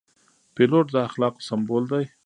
پیلوټ د اخلاقو سمبول دی.